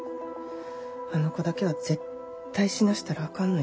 あの子だけは絶対死なせたらあかんのや。